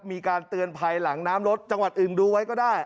มีการเตือนภัยหลังน้ำรถจังหวัดอื่นดูไว้ก็ได้